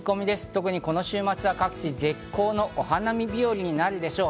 特にこの週末は各地、絶好のお花見日和になるでしょう。